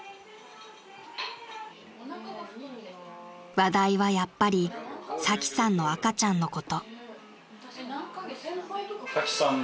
［話題はやっぱりサキさんの赤ちゃんのこと］